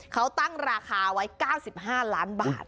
เขาตั้งราคาไว้๙๕ล้านบาท